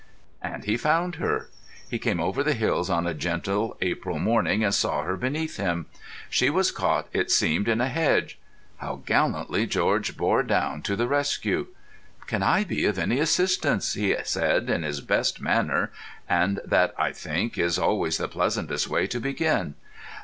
And he found her. He came over the hills on a gentle April morning and saw her beneath him. She was caught, it seemed, in a hedge. How gallantly George bore down to the rescue! "Can I be of any assistance?" he said in his best manner, and that, I think, is always the pleasantest way to begin.